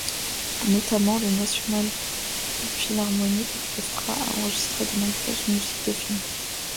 Notamment, le National Philharmonic Orchestra a enregistré de nombreuses musiques de films.